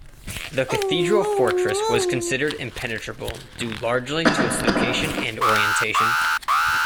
The cathedral-fortress was considered impenetrable, due largely to its location and orientation.